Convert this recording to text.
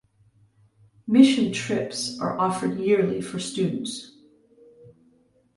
Mission Trips are offered yearly for students.